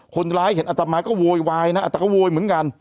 เห็นอัตมาก็โวยวายนะอัตก็โวยเหมือนกัน